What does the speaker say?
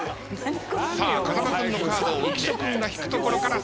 さあ風間君のカードを浮所君が引くところから再開。